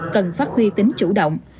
cần phát huy tính chủ động